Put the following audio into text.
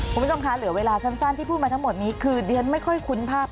คุณผู้ชมคะเหลือเวลาสั้นที่พูดมาทั้งหมดนี้คือดิฉันไม่ค่อยคุ้นภาพ